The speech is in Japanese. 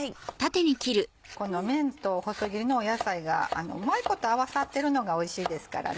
この麺と細切りの野菜がうまいこと合わさってるのがおいしいですからね。